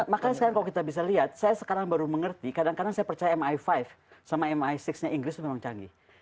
makanya sekarang kalau kita bisa lihat saya sekarang baru mengerti kadang kadang saya percaya mi lima sama mi enam nya inggris itu memang canggih